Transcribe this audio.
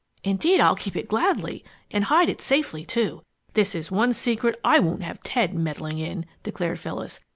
"Indeed, I'll keep it gladly and hide it safely, too. This is one secret I won't have Ted meddling in!" declared Phyllis.